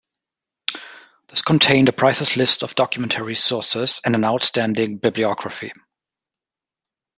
This contained a priceless list of documentary sources and an outstanding bibliography.